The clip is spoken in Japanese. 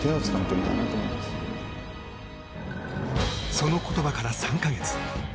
その言葉から３か月。